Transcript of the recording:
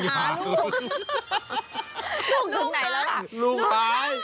ลูกไหนแล้วอ่ะ